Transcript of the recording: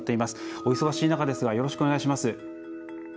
お忙しい中ですがよろしくお願いします。